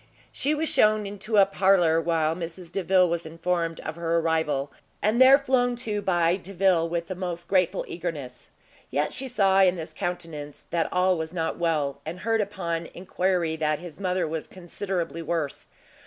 She was shewn into a parlour, while Mrs Delvile was informed of her arrival, and there flown to by Delvile with the most grateful eagerness. Yet she saw in his countenance that all was not well, and heard upon enquiry that his mother was considerably worse.